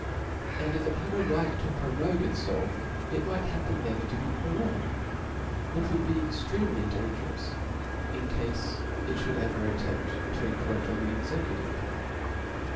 And if it had a right to prorogue itfclf, it might happen ncv^r to be prorogued , which would be extremely dan gerous, in cafe it fliould ever attempt to incroach on the executive power.